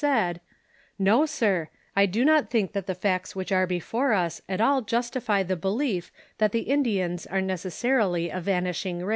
said, " No, sir ; I do not think that the facts Avhich are before us at all justify the belief that the Indians are necessarily a van ishing race."